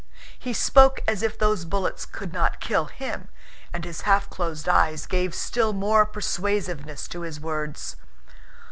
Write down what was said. He spoke as if those bullets could not kill him, and his half closed eyes gave still more persuasiveness to his words.